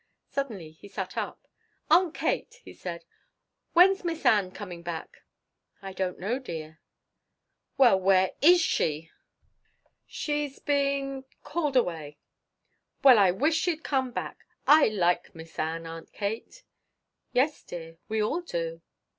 Suddenly he sat up. "Aunt Kate," he asked, "when's Miss Ann coming back?" "I don't know, dear." "Well where is she?" "She's been called away." "Well I wish she'd come back. I like Miss Ann, Aunt Kate." "Yes, dear; we all do."